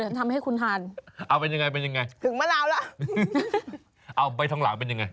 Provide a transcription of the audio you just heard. ลองยิ้มให้คุณผู้ชมดูหน่อย